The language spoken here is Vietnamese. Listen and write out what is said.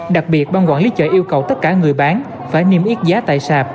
đặc biệt ban quản lý chợ yêu cầu tất cả người bán phải niêm yết giá tại sạp